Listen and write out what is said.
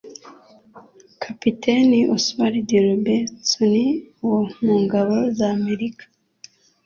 Kapiteni Oswald Robertson wo mu ngabo za Amerika